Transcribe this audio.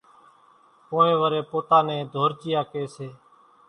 ڪونئين وريَ پوتا نين ڌورچِيئا ڪي سي۔